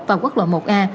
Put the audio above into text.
và quốc lộ một a